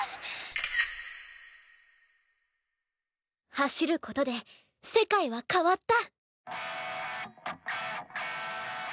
走る事で世界は変わった！